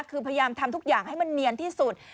คือพยายามทำทุกอย่างให้มันเนียนที่สุด